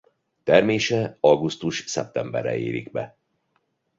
Termése augusztus-szeptemberre érik be.